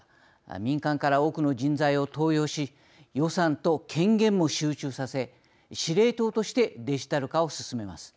民間から多くの人材を登用し予算と権限も集中させ司令塔としてデジタル化を進めます。